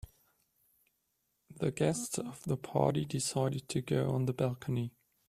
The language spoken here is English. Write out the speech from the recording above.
The guests of the party decided to go on the balcony.